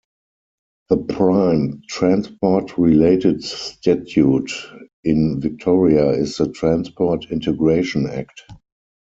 The prime transport-related statute in Victoria is the Transport Integration Act.